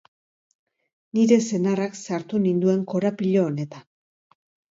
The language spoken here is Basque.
Nire senarrak sartu ninduen korapilo honetan.